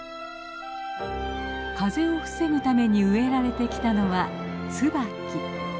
風を防ぐために植えられてきたのはツバキ。